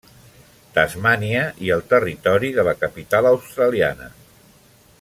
Tasmània i el Territori de la Capital Australiana.